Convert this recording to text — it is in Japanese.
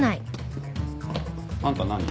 あんた何？